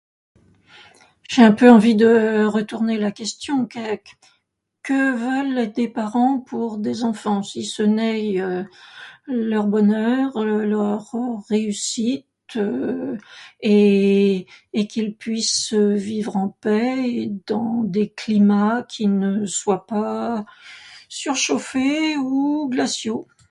J'ai un peu envie de retourner la question. Que veulent des parents pour des enfants si ce n'est leur bonheur, leur réussite et qu'ils puissent vivre en paix dans des climats qui ne soient pas surchauffés ou glaciaux.